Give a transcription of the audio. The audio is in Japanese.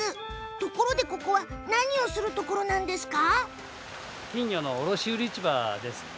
ところで、ここは何をするところなんですか？